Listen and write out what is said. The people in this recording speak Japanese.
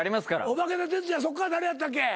お化け田鉄矢そっから誰やったっけ？